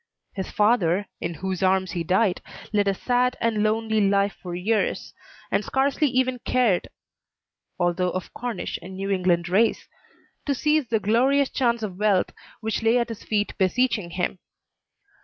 His father, in whose arms he died, led a sad and lonely life for years, and scarcely even cared (although of Cornish and New England race) to seize the glorious chance of wealth which lay at his feet beseeching him.